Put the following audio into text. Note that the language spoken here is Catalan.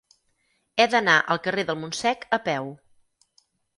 He d'anar al carrer del Montsec a peu.